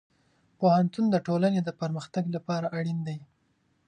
پوهنتون د ټولنې د پرمختګ لپاره اړین دی.